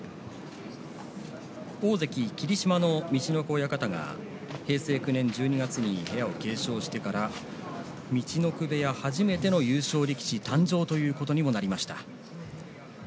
大関霧島の陸奥親方が平成９年１２月に部屋を継承してから陸奥部屋、初めての優勝力士誕生ということにもなりました。